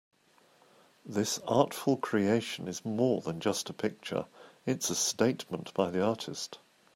This artful creation is more than just a picture, it's a statement by the artist.